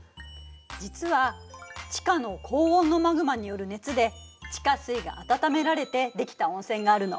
実は地下の高温のマグマによる熱で地下水が温められてできた温泉があるの。